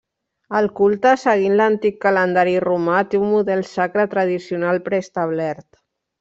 El culte, seguint l'antic calendari romà, té un model sacre tradicional preestablert.